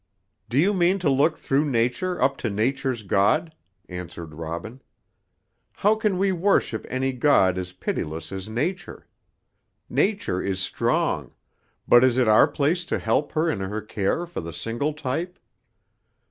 "Do you mean to look through Nature up to Nature's God?" answered Robin. "How can we worship any God as pitiless as Nature? Nature is strong, but is it our place to help her in her care for the single type?